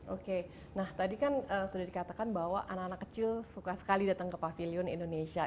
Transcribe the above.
oke nah tadi kan sudah dikatakan bahwa anak anak kecil suka sekali datang ke pavilion indonesia